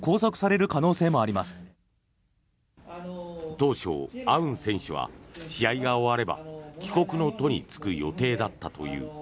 当初、アウン選手は試合が終われば帰国の途に就く予定だったという。